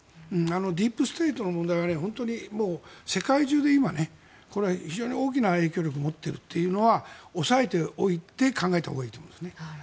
ディープ・ステートの問題は本当に世界中で今、これは非常に大きな影響力を持っているというのは押さえておいて考えたほうがいいと思うんですね。